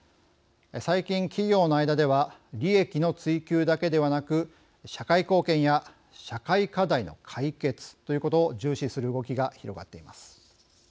最近企業の間では利益の追求だけではなく社会貢献や社会課題の解決ということを重視する動きが広がっています。